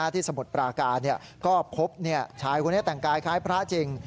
สมุทรปราการก็พบชายคนนี้แต่งกายคล้ายพระจริง